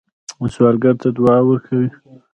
سوالګر ته دعا ورکوئ